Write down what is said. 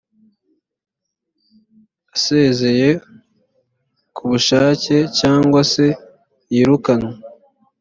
asezeye kubushake cyangwa se yirukanwe‽